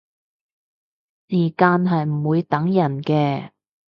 時間係唔會等人嘅